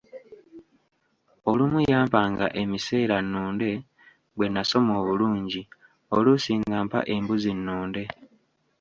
Olumu yampanga emiseera nnunde bwe nasoma obulungi, oluusi ng'ampa embuzi nnunde.